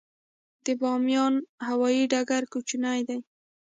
د بامیان هوايي ډګر کوچنی دی